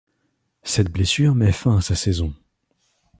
Cette blessure met fin à sa saison.